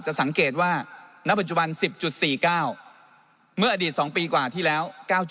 สังเกตว่าณปัจจุบัน๑๐๔๙เมื่ออดีต๒ปีกว่าที่แล้ว๙๗